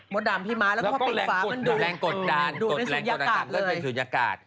มดดามพิมมาแล้วพอเป็นฝามันดูดดูดในศูนยากาศเลย